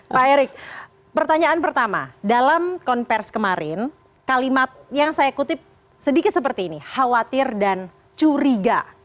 pak erick pertanyaan pertama dalam konversi kemarin kalimat yang saya kutip sedikit seperti ini khawatir dan curiga